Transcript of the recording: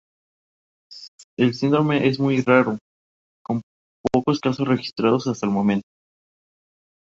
El síndrome es muy raro, con pocos casos registrados hasta el momento.